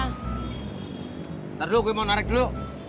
ntar dulu gue mau narik dulu